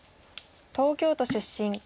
東京都出身。